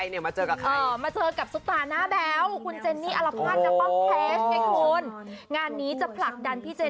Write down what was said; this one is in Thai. อ่ะท่านทานมาเจอกับใครมาเจอกับใคร